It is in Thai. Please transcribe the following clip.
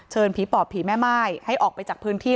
ผีปอบผีแม่ม่ายให้ออกไปจากพื้นที่